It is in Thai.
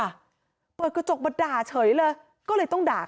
แต่แท็กซี่เขาก็บอกว่าแท็กซี่ควรจะถอยควรจะหลบหน่อยเพราะเก่งเทาเนี่ยเลยไปเต็มคันแล้ว